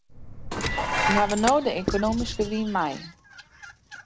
Wy hawwe no de ekonomyske wyn mei.